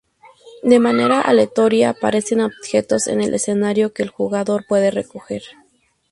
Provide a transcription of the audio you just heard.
De manera aleatoria, aparecen objetos en el escenario que el jugador puede recoger.